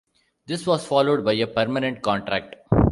This was followed by a permanent contract.